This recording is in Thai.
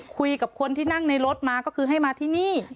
คุยกับคนที่นั่งในรถมาก็คือให้มาที่นี่